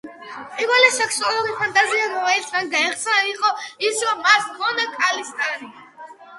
პირველი სექსუალური ფანტაზია, რომელიც მან გაიხსენა, იყო ის, რომ მას ჰქონდა ქალის ტანი.